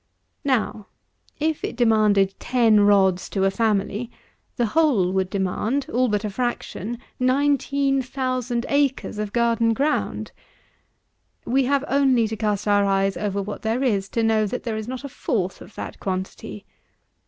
Now, if it demanded ten rods to a family, the whole would demand, all but a fraction, nineteen thousand acres of garden ground. We have only to cast our eyes over what there is to know that there is not a fourth of that quantity.